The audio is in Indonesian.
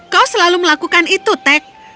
kau selalu melakukan itu tek